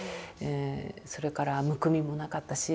それからむくみもなかったし。